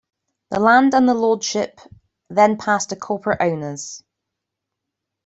The land and the lordship then passed to corporate owners.